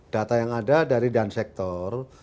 data yang ada dari dan sektor